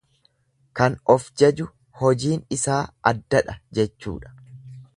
Kan of jaju hojiin isaa addadha jechuudha.